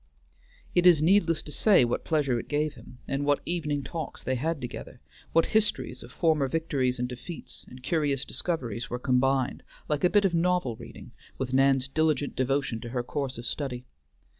It is needless to say what pleasure it gave him, and what evening talks they had together; what histories of former victories and defeats and curious discoveries were combined, like a bit of novel reading, with Nan's diligent devotion to her course of study.